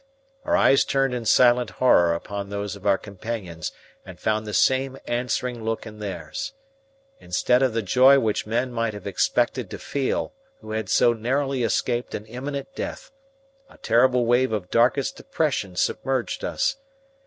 Our eyes turned in silent horror upon those of our companions and found the same answering look in theirs. Instead of the joy which men might have been expected to feel who had so narrowly escaped an imminent death, a terrible wave of darkest depression submerged us.